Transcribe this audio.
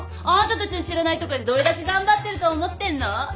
あなたたちの知らないところでどれだけ頑張ってると思ってんの。